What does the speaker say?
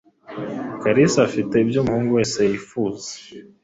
Kalisa afite ibyo umuhungu wese yifuza.